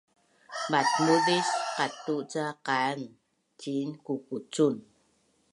Matmuzis qatu’ ca kaan ciin kukucun